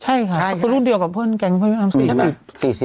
ใช่ค่ะเขาคือรูปเดียวกับเพื่อนแก่งพี่พี่น้ำ